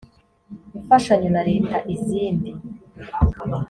imfashanyo na leta izindi